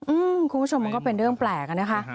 คุณผู้ชมมันก็เป็นเรื่องแปลกอะนะคะ